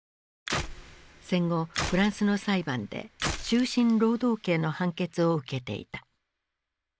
戦後フランスの裁判で終身労働刑の判決を受けていた。